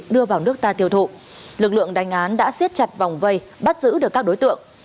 đưa vào nước ta tiêu thụ lực lượng đánh án đã xiết chặt vòng vây bắt giữ được các đối tượng